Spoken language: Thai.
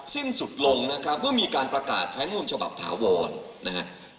สิ้นสุดลงนะครับเมื่อมีการประกาศใช้รัฐมนุนฉบับถาวรนะครับ